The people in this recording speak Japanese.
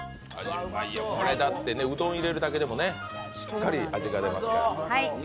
これ、だって、うどん入れるだけでもしっかり味が出ますから。